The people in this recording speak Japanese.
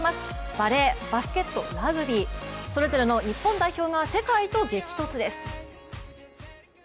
バレー、バスケット、ラグビー、それぞれの日本代表が世界と激突です。